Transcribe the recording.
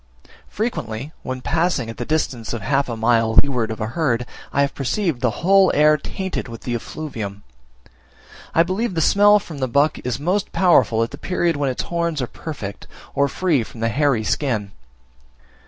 Frequently, when passing at the distance of half a mile to leeward of a herd, I have perceived the whole air tainted with the effluvium. I believe the smell from the buck is most powerful at the period when its horns are perfect, or free from the hairy skin.